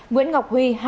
nguyễn ngọc huy